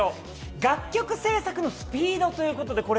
楽曲制作のスピードということで。